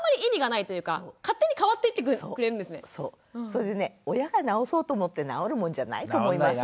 それでね親が直そうと思って直るもんじゃないと思いません？